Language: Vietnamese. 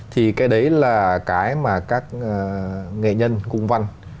thì cái đấy là cái mà các nghệ nhân cung văn